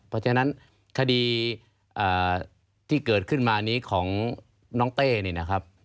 เพราะฉะนั้นคดีที่เกิดขึ้นมานี้ของน้องเต้เนี่ยนะครับ